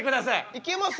いけます？